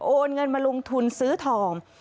โอนเงินมาลงทุนซื้อทอง